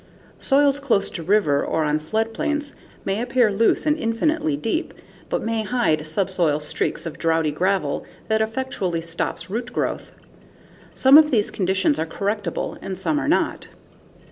Soils close to rivers or on floodplains may appear loose and infinitely deep but may hide subsoil streaks of droughty gravel that effectively stops root growth. Some of these conditions are correctable and some are not.